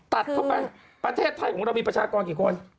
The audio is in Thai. ตัดเข้าไปประเทศไทยของเรามีประชากรกี่คน